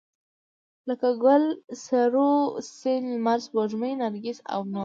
لکه ګل، سروه، سيند، لمر، سپوږمۍ، نرګس او نور